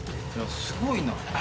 すごいな。